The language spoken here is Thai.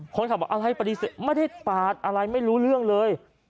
คนขับบอกอะไรปฏิเสธไม่ได้ปาดอะไรไม่รู้เรื่องเลย